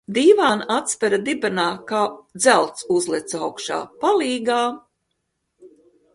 Dīvāna atspere dibenā, kā dzelts uzlecu augšā. Palīgā!